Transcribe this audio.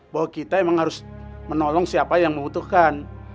bahwa kita memang harus menolong siapa yang membutuhkan